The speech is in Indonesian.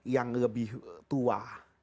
yang lebih tua